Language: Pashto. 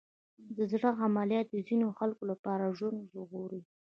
د زړه عملیات د ځینو خلکو لپاره ژوند ژغوري.